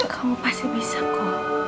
kamu pasti bisa ko